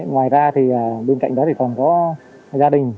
ngoài ra bên cạnh đó còn có gia đình